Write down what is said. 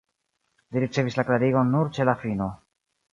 Li ricevis la klarigon nur ĉe la fino.